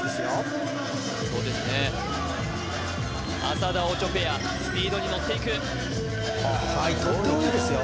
浅田・オチョペアスピードにのっていくはいとってもいいですよ